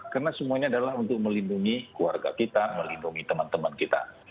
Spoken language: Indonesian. karena semuanya adalah untuk melindungi keluarga kita melindungi teman teman kita